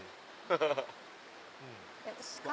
・ハハハ。